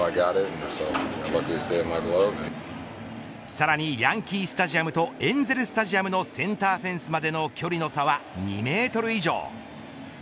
さらにヤンキースタジアムとエンゼルスタジアムのセンターフェンスまでの距離の差は２メートル以上。